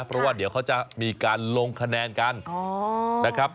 เพราะว่าเดี๋ยวเขาจะมีการลงคะแนนกันนะครับ